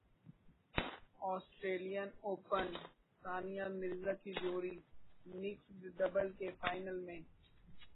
سٹریلین open Sania Mirza کی جوڑی mixed double کے فائنل میں